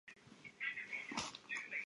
以下剧集按照首播顺序排列。